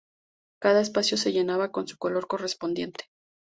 Cada espacio se llenaba con su color correspondiente.